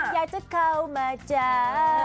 อยากจะเข้ามาจ้า